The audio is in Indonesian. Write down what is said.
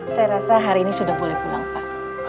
saya rasa hari ini sudah boleh pulang pak